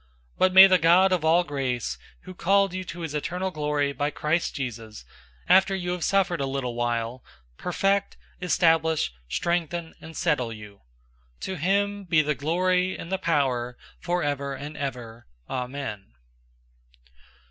005:010 But may the God of all grace, who called you to his eternal glory by Christ Jesus, after you have suffered a little while, perfect, establish, strengthen, and settle you. 005:011 To him be the glory and the power forever and ever. Amen.